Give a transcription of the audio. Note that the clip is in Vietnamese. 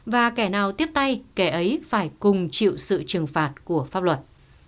và kẻ nào tiếp tay kẻ ấy phải cùng chịu sự trừng phạt của pháp luật